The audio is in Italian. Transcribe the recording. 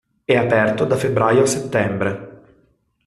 È aperto da febbraio a settembre.